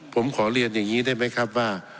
ผมขอเรียนอย่างนี้ได้ไหมครับว่า